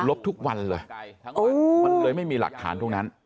ทุกวันเลยมันเลยไม่มีหลักฐานตรงนั้น